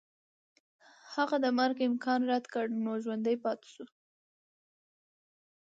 هغه د مرګ امکان رد کړ نو ژوندی پاتې شو.